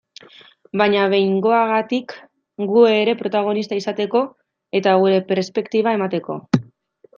Baina behingoagatik gu ere protagonista izateko, eta gure perspektiba emateko.